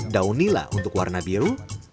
daun nila untuk warna biru